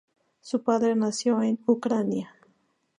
Su padre nació en Ucrania.